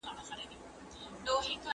پر کلیو، پر ښارونو یې ځالۍ دي غوړولي